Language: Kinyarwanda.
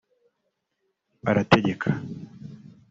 barategeka